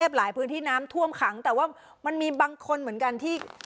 หลายพื้นที่น้ำท่วมขังแต่ว่ามันมีบางคนเหมือนกันที่